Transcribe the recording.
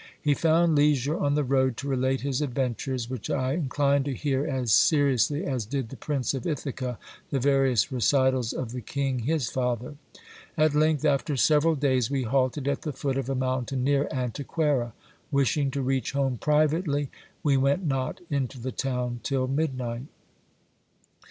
He found leisure on the road to relate his adventures, which I inclined to hear as seriously as did the Prince of Ithaca the various recitals of the king his father. At length, after several days, we halted at the foot of a mountain near Antequera. Wishing to reach home privately, we went not into the town till midnight.